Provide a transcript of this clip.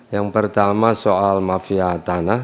yang pertama soal mafia tanah